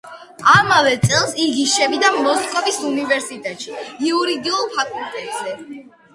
ამავე წელს იგი შევიდა მოსკოვის უნივერსიტეტში, იურიდიულ ფაკულტეტზე.